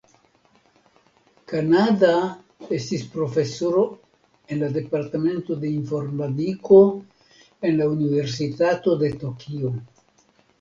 Kanada estis profesoro en la Departemento de Informadiko en la Universitato de Tokio.